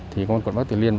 thì con quản bác tuyền liên